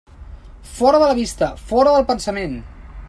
Fora de la vista, fora del pensament.